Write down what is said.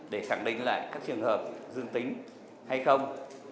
để khẳng định lại các trường hợp dương tính hay không